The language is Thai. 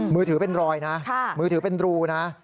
มือถือเป็นรอยนะมือถือเป็นรูนะ